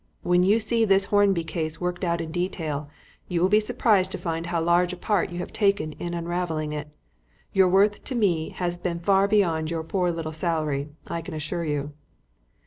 When you see this Hornby case worked out in detail, you will be surprised to find how large a part you have taken in unravelling it. Your worth to me has been far beyond your poor little salary, I can assure you."